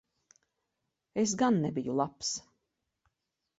Es gan nebiju labs.